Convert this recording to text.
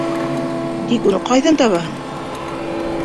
Тик уны ҡайҙан табаһың?